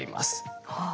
はあ。